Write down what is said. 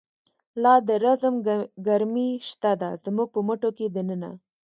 لا د رزم گرمی شته ده، زمونږ په مټو کی د ننه